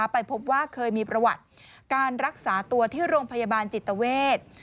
ไปพบว่าเคยมีประวัติการรักษาตัวที่โรงพยาบาลจิตเวท